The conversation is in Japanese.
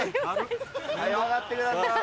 早上がってください。